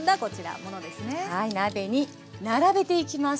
鍋に並べていきます。